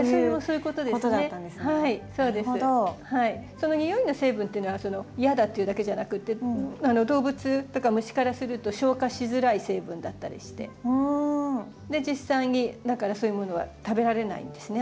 その匂いの成分っていうのは「嫌だ」っていうだけじゃなくて動物とか虫からすると消化しづらい成分だったりして実際にだからそういうものは食べられないんですね